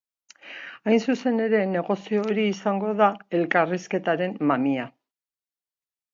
Hain zuzen ere negoziazio hori izango da elkarrizketaren mamia.